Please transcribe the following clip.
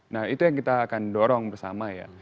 nah itu yang kita akan dorong bersama ya